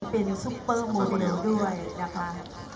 เป็นซุปเปอร์มูลเดียวด้วยดักฟ้าครับ